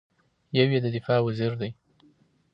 یو یې د دفاع وزیر دی.